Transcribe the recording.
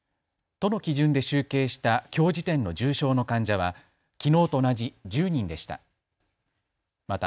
都の基準で集計したきょう時点の重症の患者はきのうと同じ１０人でした。